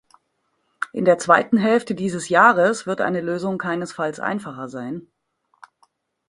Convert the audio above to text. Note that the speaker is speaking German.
In der zweiten Hälfte dieses Jahres wird eine Lösung keinesfalls einfacher sein.